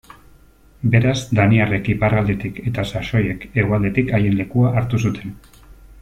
Beraz, daniarrek iparraldetik eta saxoiek hegoaldetik haien lekua hartu zuten.